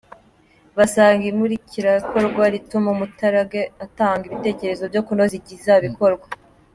Basanga imurikabikorwa rituma umuturage atanga ibitekerezo byo kunoza ibizakorwa